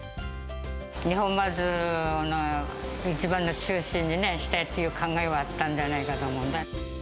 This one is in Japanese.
二本松の一番の中心にね、したいっていう考えはあったんじゃないかと思うんだ。